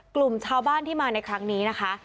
กลุ่มชาวบ้านที่มาในครั้งนี้นะคะ